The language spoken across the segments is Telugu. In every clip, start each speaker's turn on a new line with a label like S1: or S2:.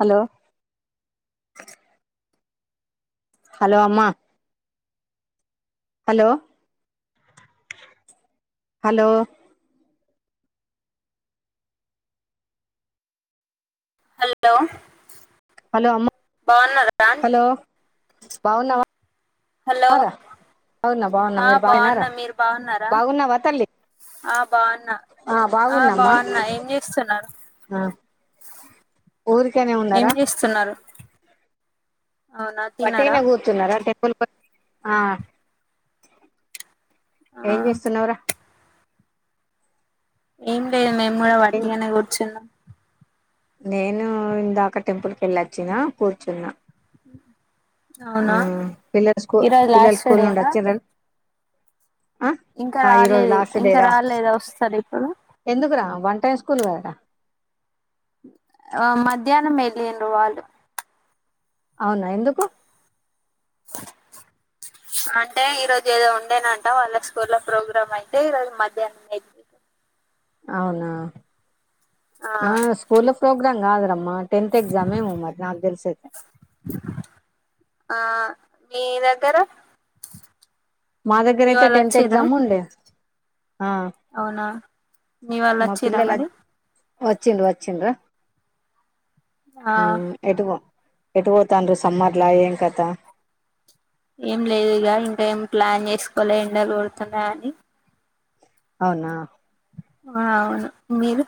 S1: హలో హలొ అమ్మా హలొ హలో
S2: హల్లో
S1: హలో అమ్మ హలో బావున్నవా?
S2: హల్లో
S1: బాగున్నా బాగున్నా
S2: ఆ
S1: మీరు
S2: బావున్న
S1: బాగున్నారా
S2: మీరు బావున్నరా
S1: బాగున్నావా తల్లి
S2: ఆ బ్ బావున్న ఆ బావున్న ఏం చేస్తున్నరు?
S1: ఊరికెనే ఉన్నరా
S2: అవునా తిన్నారా
S1: వట్టినే కూర్చున్నరా టెంపుల్ ప్ ఆ
S2: ఆ
S1: ఏం చేస్తున్నవ్ ర?
S2: ఏం లేద్ మేం గుడ వట్టిగనే కూర్చున్నం.
S1: నేను ఇందాక టెంపుల్కెళ్ళొచ్చిన, కూర్చున్న. ఆ
S2: అవునా
S1: పిల్లల్ స్కూ
S2: ఈరోజు
S1: పిల్లల్
S2: లాస్ట్
S1: స్కూల్ నుండి
S2: డేనా
S1: ఒచ్చిర? అ
S2: ఇంకా
S1: ఆ ఈరోజు
S2: రాలేదు
S1: లాస్ట్
S2: ఇంకా
S1: డేరా
S2: రాలేదా వస్తారు ఇప్పుడు
S1: ఎందుకు రా వంట ఏ స్కూల్ కదరా
S2: ఆ మధ్యాహ్నం ఎల్లింరు వాల్లు
S1: ఔనా ఎందుకు?
S2: అంటే ఈరోజు ఎదొ ఉండేనంట. వాళ్ళక్ స్కూల్లో ప్రోగ్రాం ఐతె ఈరోజు మధ్యాహ్నం ఎక్
S1: ఔనా ఆ స్కూల్లో ఫ్రోగ్రాం కాదురమ్మ టెంత్ ఎక్సామేమె మర్ నాక్ తెల్సి ఐతే
S2: ఆ మీ దగ్గర
S1: మా దగ్గర
S2: మీ
S1: ఐతే
S2: వాళ్ళు
S1: టెన్త్
S2: వచ్చిరా
S1: ఎగ్జామ్ ఉండె ఆ
S2: అవునా మీ వాళ్ళు
S1: మా
S2: వచ్చిరా
S1: పిల్లల
S2: మరి
S1: ఒచ్చింరు ఒచ్చింరు
S2: ఆ
S1: ఊ ఎటు వొ ఎటు వోతాంరు సమ్మర్ల ఏం కత
S2: ఏం లేద్ ఇగ ఇంకా ఏం ప్లాన్ చేస్కోలే ఎండల్గొడ్తున్నయ్ అని
S1: ఔనా
S2: ఆ ఔను మీరు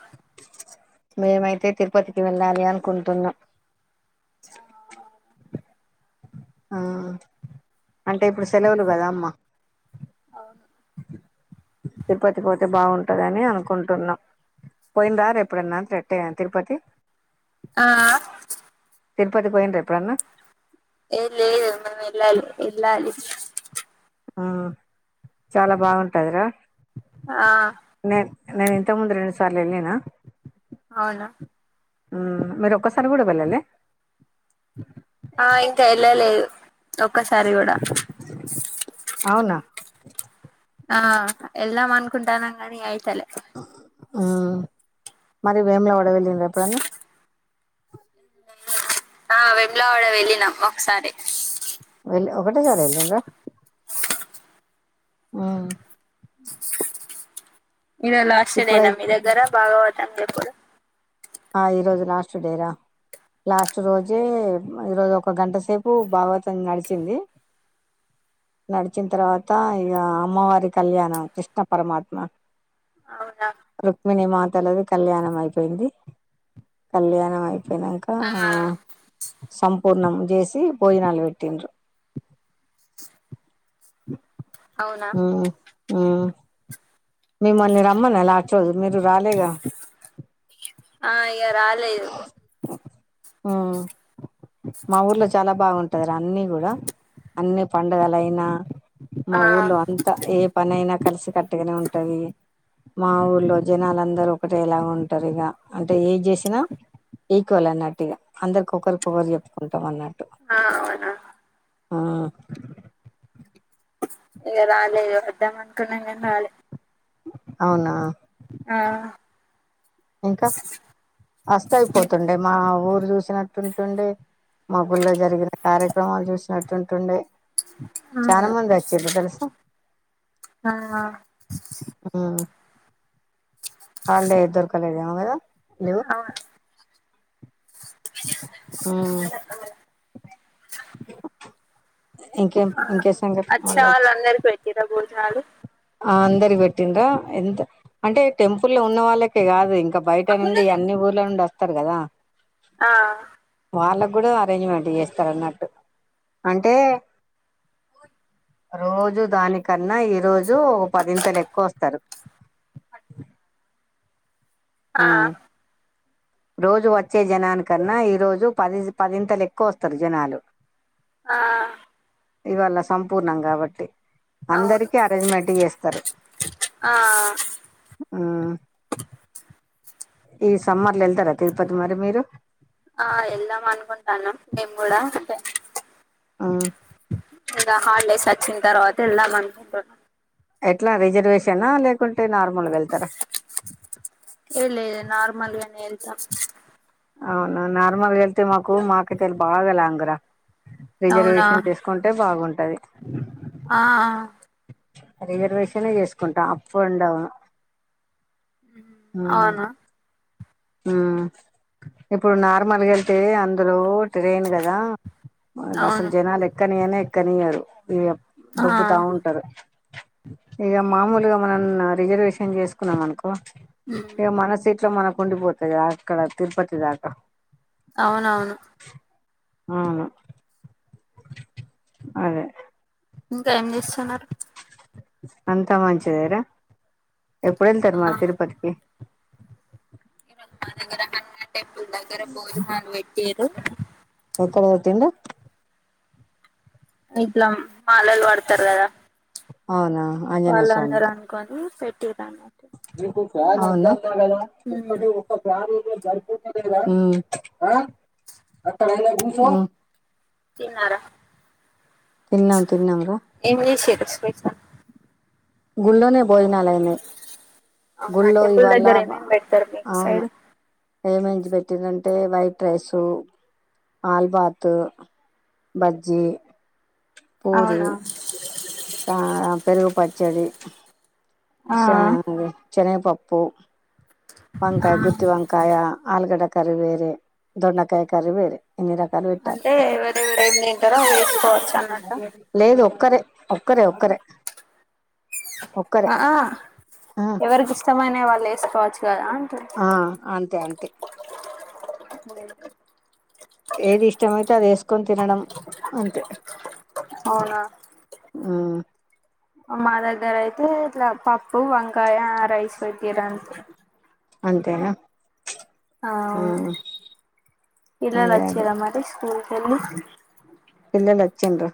S1: మేమైతె తిరుపతికి వెళ్ళాలి అనుకుంటున్న
S2: ఆ
S1: ఆ అంటె ఇప్పుడు సెలవులు కదామ్మ
S2: అవును
S1: తిరుపతి పొ టే బావుంటదని అనుకుంటున్న పోయిర్రా ఎప్పుడైనా తిరపతి తిరపతి
S2: ఆ
S1: తిరుపతి పోయిర్రా ఎప్పుడన్న?
S2: ఎ లేదు మనం ఎళ్ళాలి ఎళ్ళాలి
S1: ఆ చాల బావుంటదిరా
S2: ఆ
S1: నేను ఇంతకు ముందు రెండు సార్లు ఎళ్ళిన
S2: ఔన
S1: మ్మ్ మీరొక్కసారి గుడ వెళ్ళలె
S2: ఆ ఇంకా ఏళ్ళలేదు ఒక్కసారి కూడా
S1: అవునా
S2: ఆ వెళ్దాం అనుకుంటానంగాని అయితలె
S1: మ్ మరి వెములావాడ వెళ్లిండ్రా ఎప్పుడన్నా
S2: ఆ వెములావాడ వెళ్ళినాం ఒకసారి
S1: ఒకటేసారి ఎళ్లిండ్రా ఉం
S2: ఇదే లాస్ట్ డే
S1: ఇప్పుడై
S2: న మీ దగ్గర భాగవతం చెప్పుడు
S1: ఆ ఈరోజు లాస్ట్ డేరా లాస్ట్ రోజే ఈరోజు ఒక గంట సేపు భాగవతం నడిచింది నడిచిన తర్వాత ఇక అమ్మవారి కళ్యాణం కృష్ణ పరమాత్మ
S2: అవునా
S1: రుక్మిణీ మాతలది కళ్యాణం అయిపోయింది కళ్యాణం అయిపోయినంకా ఆ సంపూర్ణం చేసి భోజనాలు పెట్టింన్రు
S2: అవునా
S1: మ్ మిమ్మల్ని రమ్మన్న లాస్ట్ రోజు మీరు రాలేగా
S2: ఆ ఇగ రాలేదు
S1: ఉం మా ఊర్లో చాలా బాగుంటదిరా అన్ని కూడా అన్ని పండగల అయినా మా
S2: ఆ
S1: ఊర్లో అంతా ఏ పని అయినా కలిసి కట్టుగానే ఉంటది మా
S2: ఉమ్.
S1: ఊర్లో జనాలందారు ఒకటేలా ఉంటారు ఇక అంటే ఏ చేస్ నా ఈక్వల్ అన్నట్టు ఇగా అందరికి ఒకరిక ఒకరు చెప్పుకుంటాం అన్నట్టు
S2: ఆ అవునా
S1: ఉం
S2: ఇగ రాలేదు వద్దాం అనుకున్ననం గని రాలె
S1: అవునా
S2: ఆ
S1: ఇంకా అస్తే అయిపోతుండే మా ఊరు చూసినట్టుంటుండే మ గుళ్లో జరిగిన కార్యక్రమాలు చూసినట్టు ఉంటుండే
S2: అవును
S1: చానా ముంది వచ్చిర్ తెలుసా
S2: ఆ
S1: ఉం హల్ డే దొరక లెదే మో కదా లీవు
S2: అవును
S1: ఉమ్
S2: [inaudible]
S1: ఇంకేం
S2: ఆ,
S1: ఇంకే సంఘట్ మలచ్చ
S2: చాలు
S1: ఆ అందరి పెట్టిన్రా ఎంత అంటే టెంపుల్లో ఉన్న వాళ్ళకే కాదు ఇం క బయట నుండి అన్ని ఊర్ల నుండి అస్తారు కదా
S2: ఆ
S1: వాళ్ళక్ కూడా అరేంజ్మెంట్ చేస్తారున్నట్టు అంటే రోజు దానికన్నా ఈ రోజు జొ పదింతలు ఎక్కువ వస్తారు ఆ రోజు వచ్చే జనానికన్నా ఈ రోజు పది పదింతలు ఎక్కువ వస్తారు జనాలు
S2: ఆ
S1: ఇవ్వాళ్ళ సంపూర్ణం కాబట్టి
S2: అవును
S1: అందరికి అరేంజ్మెంట్ చేస్తారు.
S2: ఆ
S1: ఆ ఈ సమ్మర్ల వెళ్తారా తిరుపతి మరి మీరు?
S2: త్తనం మేము కూడా
S1: ఆ
S2: ఇగ హాలిడేస్ అచ్చిన్ తరువాత ఏళదం అనుకుంటున్న
S1: ఎట్లా రిజర్వేషనా లేకుం
S2: ఏలేద్ నర్మల్గానే ఎల్తామ్
S1: అవును నార్మలాగేళ్తే మాకు మాకిక్కడ బాగా లాంగ్ రా
S2: అవునా
S1: రిజర్వేషన్ చేసుకుంటే బాగుంటది.
S2: ఆ అ
S1: రిజర్వేషనే చేసుకుంటాం అప్ అండ్ డౌన్
S2: మ్మ్ అవునా
S1: మ్మ్ ఇప్పుడు నార్మల్ గేళ్తే అందరు ట్రైన్ కద అసలు
S2: అవును
S1: జనాలు ఎక్కనియనే ఎక్కనియారు ఇగ
S2: ఆ
S1: దోబ్బుతా ఉంటారు ఇగ మామూలుగా మనం నా రిజర్వేషన్ చేసుకున్నాం అనుకో. ఇగ మన సీట్లో మనకుండిపోతాయి అక్కడ తిరుపతి దాకా
S2: అవునవును
S1: అవును అదే
S2: ఇంకా ఏం చేస్తున్నారు?
S1: అంతా మంచిదేరా ఎప్పుడు
S2: ఆ
S1: ఏళ్తారు మరి తిరుపతికి?
S2: ఈ రోజు మాదగ్గర హనుమాన్ టెంపుల్ దగ్గర భోజనాల్ వెట్టిరు.
S1: కోతిందా
S2: ఇట్లా మాలలు వడతారు కదా
S1: అవునా ఆంజనేయ స్వామిత
S2: టమాటో
S1: అవునా ఎంద ఒక్కటి ఒక్క ఫాను మ్మ్
S2: తిన్నారా
S1: తిన్నాం
S2: ప్చ్
S1: తిన్నాం రా
S2: ఎంజేసిరు స్పెషల్
S1: గుల్లోనే భోజనలైనై
S2: అవునా
S1: గుళ్ళో
S2: టెంపుల్
S1: ఇవాళ
S2: దగ్గర
S1: బా
S2: ఏమేమి పెడతారు మీకు
S1: అవును
S2: సైడ్
S1: ఏమంచి పెట్టిరంటే వైట్ రైసు ఆల్బతు, బజ్జి
S2: అవునా
S1: [unintelligible] పెరుగు పచ్చడి,
S2: ఆ
S1: సెనగ చెనగపప్పు
S2: ఆ
S1: వంకాయ, గుత్తి వంకాయ, ఆలుగడ్డ కర్రీ వేరే, దొండకాయి కర్రీ వేరే ఎన్ని రకాలు పెట్టారు
S2: అంటే ఎవరెవరు ఏం తింటారో అవి తీసుకోవచ్చు అన్నట్టు
S1: లేదు ఒక్కరే ఒక్కరే ఒక్కరే ఒక్కరే
S2: అఆ
S1: ఆ
S2: ఎవరికి ఇష్టమైన వాళ్ళు వేసుకోవచ్చు. కదా
S1: ఆ అంతే అంతే
S2: [inaudible]
S1: ఏది ఇష్టం అయితే అది ఏస్కోని తినడం అంతే.
S2: అవునా
S1: ఉమ్
S2: మా దగ్గరే ఏం లే పప్పు, వంకాయ, రైస్ పేట్టిరు అంతే
S1: అంతేనా
S2: ఔను
S1: ఉమ్ అదే అదే
S2: పిల్లలోచ్చిరా మరి స్కూలకెళ్లి?
S1: పిల్లలు వచ్చింరు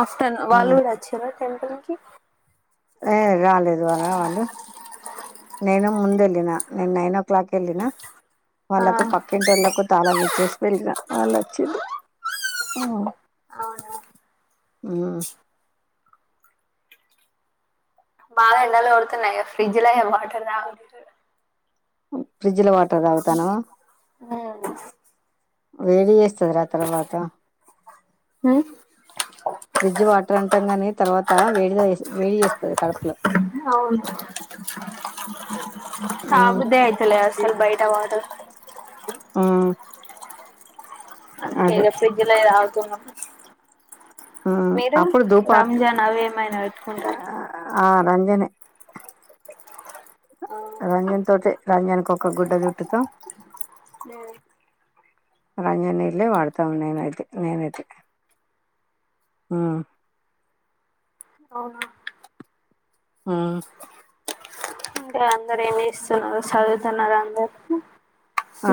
S2: ఆఫ్టర్నూన్ వాళ్ళు కూడా వచ్చిరా టెంపుల్ కి?
S1: ఏ రాలేదు వా రావద్దు నేను ముందెలినా నేను నైన్ ఓ క్లాక్ వెళ్లిన
S2: ఆ
S1: వాళ్ళకు, పక్కింటోల్లకు తాళం ఇచ్చేస్ పిలష్ణ వాల్ ఒచ్చిన్రు ఆ
S2: అవునా
S1: మ్మ్
S2: బాగా ఎండలు కొడుతున్నాయ ఫ్రిడ్జ్ లో ఎం వాటర్ తాగా
S1: ఫ్రిడ్జ లో వా
S2: ఆ
S1: వేడి చేస్తది రా తర్వాత
S2: హు
S1: ఫ్రిడ్జ్ వాటర్ అంటాం గాని తర్వాత వేడిగా వేడి చేస్త
S2: అవును త
S1: ఉమ్
S2: బుద్ధి అయితలేదు. అసలు బయట వాటర్
S1: ఆ
S2: అందుకె ఇగ ఫ్రిడ్జ్ లై తాగుతున్నాం
S1: ఉమ్
S2: మీరు
S1: అప్పుడు ధూపార్త
S2: రంజాన్ అవి ఏమైనా పెట్టుకుంటా
S1: ఆ రంజనే
S2: ఆ
S1: రంజన్ తోటి రంజన్కు ఒక గుడ్డ జుట్టుతాం. రంజనీళ్లే వాడతాం నేనైతే నేనైతే ఆ
S2: అవునా
S1: ఆ
S2: అందరూ ఏమి చేస్తున్నారు చదువుతున్నారు అందరు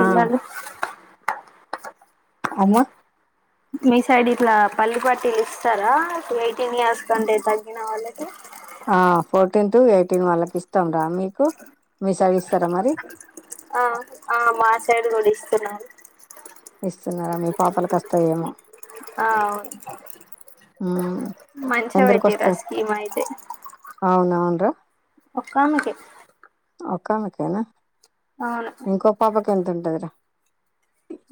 S1: ఆ అవ్వా
S2: మీ సైడ్ ఇట్లా పల్లి పట్టిలు ఇస్తారా ఎయిటీన్ ఇయర్స్ కంటే తగ్గిన వాళ్ళకి?
S1: ఆ ఫోర్టీన్ టు ఎయిటీన్ వాళ్ళకి ఇస్తాం రా మీకు మీ సైడ్ ఇస్తారా మరి?
S2: ఆ ఆ మా సైడ్ కూడా ఇస్తున్నారు.
S1: ఇస్తున్నారా మీ పాపల కస్తాయేమో
S2: ఆ అవును
S1: ఉమ్
S2: మంచిగా పెట్టిర్ ఆ స్కీమ్ అయితే
S1: అవున అవునురా
S2: ఒక్కమకె
S1: ఒక్కమకెనా? ఇంకో పాపకి ఎంత ఉంటందిరా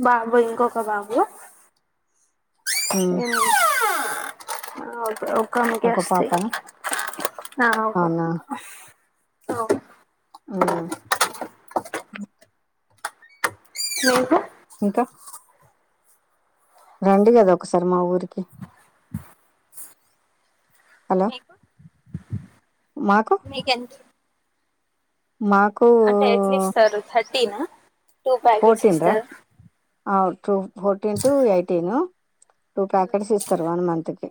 S2: బాబు ఇంకొక బాబు ఉమ్ ఓకే ఓకే కొనికే
S1: ఒక
S2: వస్తాయి
S1: పాపనా
S2: ఆ అవ్
S1: అవునా
S2: అవ్
S1: ఆ
S2: నీకు
S1: ఇంకా రండి కదా ఒకసారి మా ఊరికి హలో మాకు
S2: మీకేంత్
S1: మాకు
S2: అంటే ఎట్లా ఇస్తారు థర్టీన్ అ టూ పాకెట్స్ ఇస్తారు.
S1: ఆ to fourteen to, eighteen two packets ఇస్తారు వన్ మంత్ కి.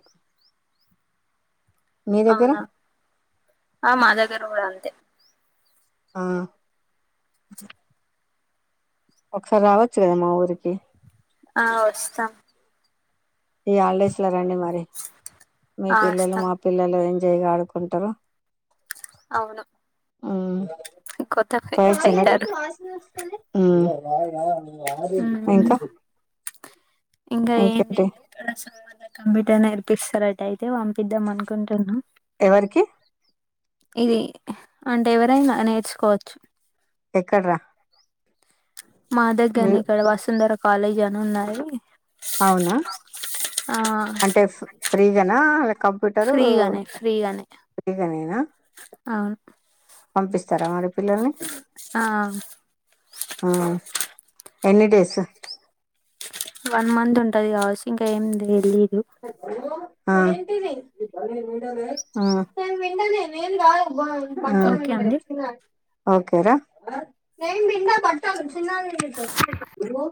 S1: మీ దగ్గర
S2: అవునా ఆ మా దగ్గర కూడా అంతే
S1: ఆ ఒకసారి రావచ్చు కదా మా ఊరికి.
S2: ఆ వస్తాం
S1: ఈ హాలిడేస్ లో రండి మరి మీ
S2: ఆ
S1: పిల్లలు
S2: వస్తాం
S1: మా పిల్లలున్ జయగా ఆడుకుంటారు.
S2: అవును
S1: ఆ
S2: కొత్త ఫ్రెండ్స్
S1: పోచనే
S2: అయితారు
S1: ఉ ఇంకా
S2: ఇంగా ఏం
S1: ఇంకేంటి
S2: లెడ్ లే ఇక్కడస తర్వాత కంప్యూటర్ నేరిపిస్తారట అయితే పంపిద్దాం అనుకుంటునా
S1: ఎవరికి
S2: ఇది అంటే ఎవరైనా నేర్చుకోవచ్చు.
S1: ఎక్కడ్రా
S2: మా దగ్గర్నే ఇక్కడ వసుంధర కాలేజ్ అని ఉన్నది
S1: అవునా
S2: ఆ
S1: అంటే ఫ్ ఫ్రీగానా కంప్యూటరూ
S2: ఫ్రీగానే
S1: ఫ్రీగానేనా
S2: అవున్
S1: పంపిస్తారా మరి పిల్లల్ని
S2: ఆ
S1: ఆ ఎన్నీ డేస్
S2: వన్ మంత్ ఉంటది కావొస్ ఇంకా ఏమి తెలి
S1: ఆ ఆ ఆ
S2: ఓకే అండి
S1: ఓకేరా చిన్నది విండుతారు